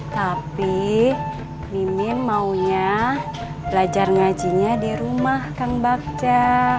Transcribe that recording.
tapi mimin maunya belajar ngajinya di rumah kang bagja